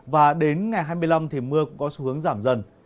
và đến ngày hai mươi năm thì mưa cũng có xu hướng giảm dần